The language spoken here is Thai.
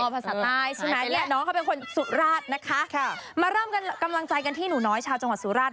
ภาษาใต้ใช่ไหมเนี่ยน้องเขาเป็นคนสุราชนะคะมาเริ่มกันกำลังใจกันที่หนูน้อยชาวจังหวัดสุราช